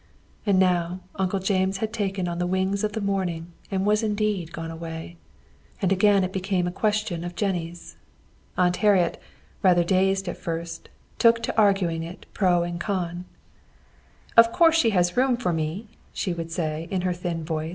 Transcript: And now Uncle James had taken on the wings of the morning and was indeed gone away. And again it became a question of Jennie's. Aunt Harriet, rather dazed at first, took to arguing it pro and con.